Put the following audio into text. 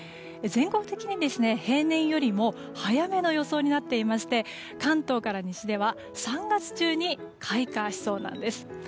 全国的に平年よりも早めの予想になっていまして関東から西では３月中に開花しそうなんです。